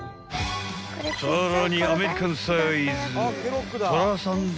［さらにアメリカンサイズ！